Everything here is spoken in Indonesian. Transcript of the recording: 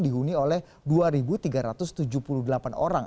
dihuni oleh dua tiga ratus tujuh puluh delapan orang